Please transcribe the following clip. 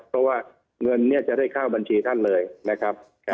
เพราะว่าเงินจะได้เข้าบัญชีท่านเลยนะครับ